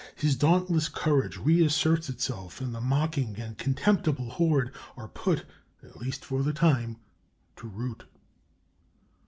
His dauntless courage reasserts itself, and the mocking and contemptible horde are put, at least for the time, to rout.